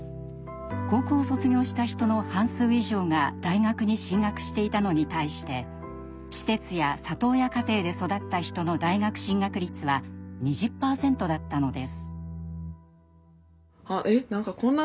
高校を卒業した人の半数以上が大学に進学していたのに対して施設や里親家庭で育った人の大学進学率は２０％だったのです。